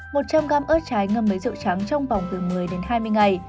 một trăm linh g ớt trái ngâm với rượu trắng trong vòng từ một mươi hai mươi ngày